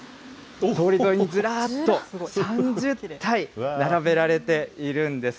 通り沿いにずらっと３０体並べられているんです。